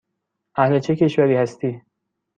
اهل چه کشوری هستی؟